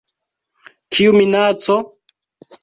Kiu minaco?